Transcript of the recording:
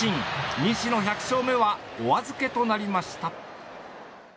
西の１００勝目はお預けとなりました。